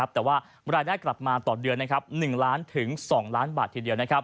แต่ว่ารายได้กลับมาต่อเดือน๑ล้านถึง๒ล้านบาททีเดียว